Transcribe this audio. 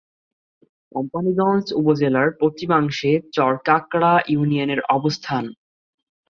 কোম্পানীগঞ্জ উপজেলার পশ্চিমাংশে চর কাঁকড়া ইউনিয়নের অবস্থান।